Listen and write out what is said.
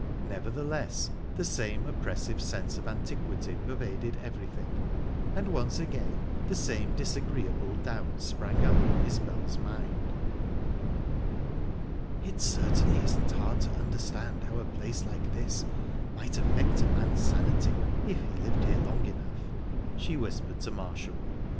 Nevertheless the same oppressive sense of antiquity pervaded everything, and once again the same disagreeable doubts sprang up in Isbel's mind. "It certainly isn't hard to understand how a place like this might affect a man's sanity, if he lived here long enough," she whispered to Marshall.